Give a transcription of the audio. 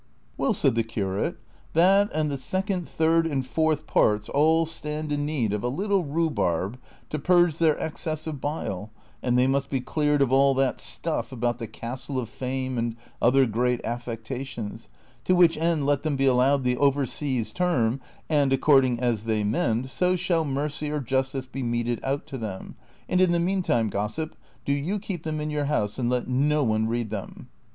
"Well," said the curate, "that aud the second, third, and fourth parts all stand in need of a little rhubarb to purge their excess of bile, and they must be cleared of all that stiiff alwut the Castle of Fame and other greater affectations, to which end let them be allowed the over seas term,^ and, according as they mend, so shall mercy or justice be meted out to them ; and in the meantime, gossip, do you keep them in your house and let no one read them."